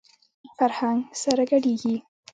فرهنګ سره ګډېږي.